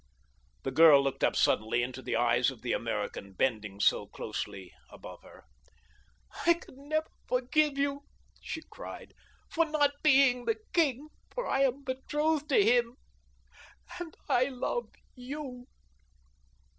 The girl looked up suddenly into the eyes of the American bending so close above her. "I can never forgive you," she cried, "for not being the king, for I am betrothed to him—and I love you!"